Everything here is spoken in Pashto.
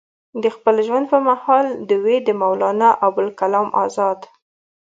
د خپل ژوند پۀ محال دوي د مولانا ابوالکلام ازاد